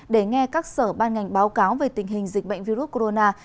để nghe các sở ban ngành báo cáo về tình hình dịch bệnh virus corona